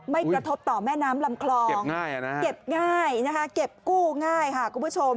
ไม่กระทบต่อแม่น้ำลำคลองเก็บง่ายนะคะเก็บกู้ง่ายค่ะคุณผู้ชม